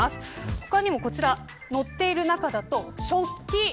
他にも、こちら載っている中だと食器